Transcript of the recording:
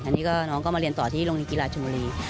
อันนี้ก็น้องก็มาเรียนต่อที่โรงเรียนกีฬาชนบุรี